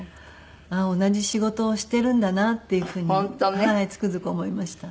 同じ仕事をしてるんだなっていう風につくづく思いました。